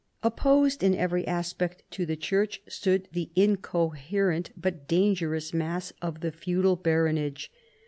Opposed in every aspect to the Church stood the incoherent but dangerous mass of the feudal baronage.